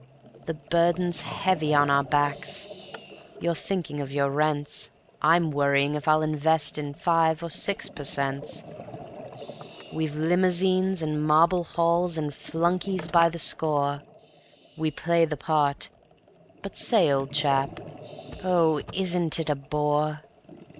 The burden's heavy on our backs you're thinking of your rents, I'm worrying if I'll invest in five or six per cents. We've limousines, and marble halls, and flunkeys by the score, We play the part ... but say, old chap, oh, isn't it a bore?